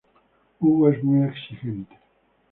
Hugo es muy exigente.